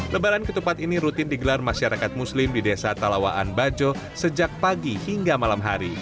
lebaran ketupat ini rutin digelar masyarakat muslim di desa talawaan bajo sejak pagi hingga malam hari